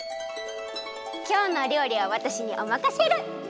きょうのおりょうりはわたしにおまかシェル！